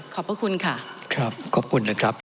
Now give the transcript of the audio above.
ขอบคุณค่ะครับขอบคุณนะครับ